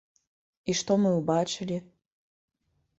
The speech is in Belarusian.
І што мы ўбачылі?